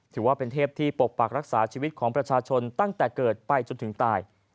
ถือว่าเป็นเทพที่ปกปักรักษาชีวิตของประชาชนตั้งแต่เกิดไปจนถึงตาย